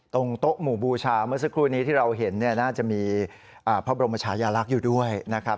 โต๊ะหมู่บูชาเมื่อสักครู่นี้ที่เราเห็นน่าจะมีพระบรมชายาลักษณ์อยู่ด้วยนะครับ